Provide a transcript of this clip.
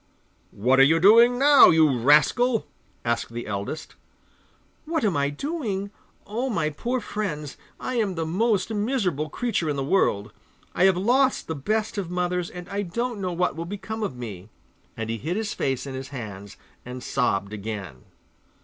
'What are you doing now, you rascal?' asked the eldest. 'What am I doing? Oh, my poor friends, I am the most miserable creature in the world! I have lost the best of mothers, and I don't know what will become of me,' and he hid his face in his hands and sobbed again.